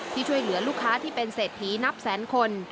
ที่ช่วยเหลือลูกค้าที่เป็นเศรษฐีนับแสนคน